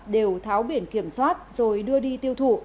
đều tháo biển kiểm soát rồi đưa đi tiêu thụ